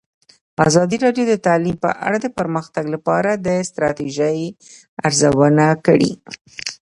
ازادي راډیو د تعلیم په اړه د پرمختګ لپاره د ستراتیژۍ ارزونه کړې.